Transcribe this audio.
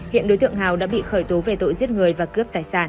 hiện đối tượng hào đã bị khởi tố về tội giết người và cướp tài sản